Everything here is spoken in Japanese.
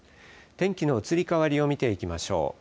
天気の移り変わりを見ていきましょう。